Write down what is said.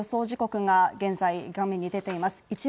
時刻が現在、画面に出ています。